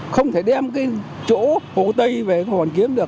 không thể đem cái chỗ hồ tây về hồ hoàn kiếm được